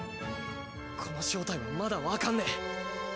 この正体はまだわかんねえ。